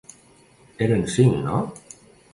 Eren cinc, no?